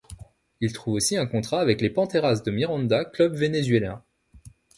Il trouve aussi un contrat avec les Panteras de Miranda, club vénézuelien.